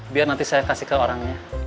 biar nanti saya kasih ke orangnya